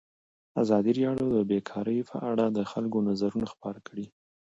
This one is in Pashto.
ازادي راډیو د بیکاري په اړه د خلکو نظرونه خپاره کړي.